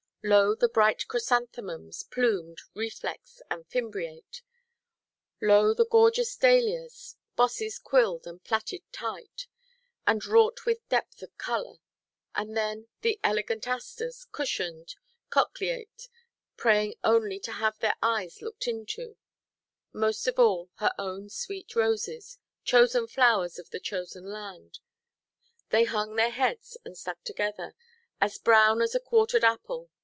Lo the bright chrysanthemums, plumed, reflex, and fimbriate; lo the gorgeous dahlias, bosses quilled and plaited tight, and wrought with depth of colour; and then the elegant asters, cushioned, cochleate, praying only to have their eyes looked into; most of all, her own sweet roses, chosen flowers of the chosen land—they hung their heads, and stuck together, as brown as a quartered apple.